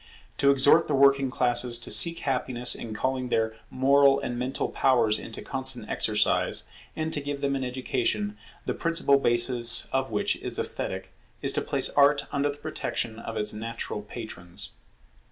To exhort the working classes to seek happiness in calling their moral and mental powers into constant exercise, and to give them an education, the principal basis of which is esthetic, is to place Art under the protection of its natural patrons.